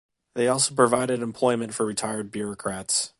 They also provided employment for retired bureaucrats.